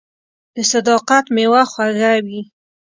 • د صداقت میوه خوږه وي.